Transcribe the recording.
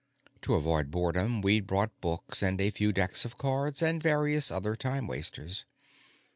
To avoid boredom, we'd brought books and a few decks of cards and various other time wasters.